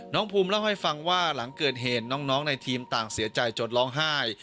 น้องภูมิเล่าให้ฟังว่าหลังเกิดเหตุน้องในทีมต่างเสียใจจดร้องไห้